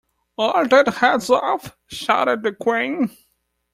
‘Are their heads off?’ shouted the Queen.